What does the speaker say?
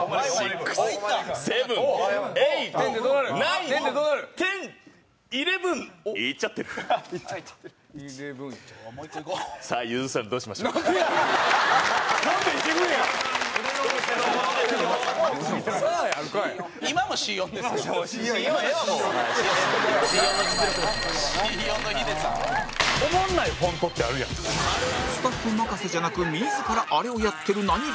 スタッフ任せじゃなく自らあれをやってる何芸人？